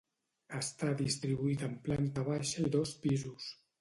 Està distribuït en planta baixa i dos pisos.